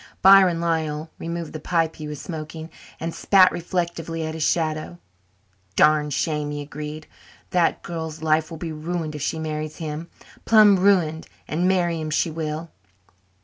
Byron Lyall removed the pipe he was smoking and spat reflectively at his shadow. "Darned shame," he agreed. "That girl's life will be ruined if she marries him, plum' ruined, and marry him she will.